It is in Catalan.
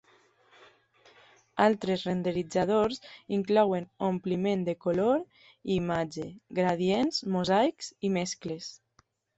Altres renderitzadors inclouen ompliment de color i imatge, gradients, mosaics i mescles.